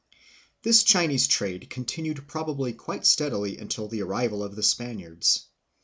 This Chinese trade continued probably quite steadily until the arrival of the Spaniards.